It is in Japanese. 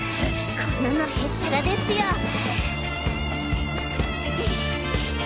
こんなのへっちゃらですよ！